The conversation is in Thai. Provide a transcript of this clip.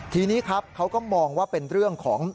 ทีนี้ครับเขาก็มองว่าเป็นเรื่องของ